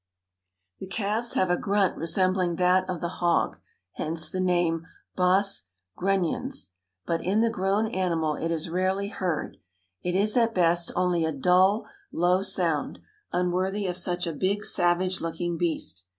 The calves have a grunt resembling that of the hog, hence the name Bos grunniens, but in the grown animal it is rarely heard; it is at best only a dull, low sound, unworthy of such a big, savage looking beast.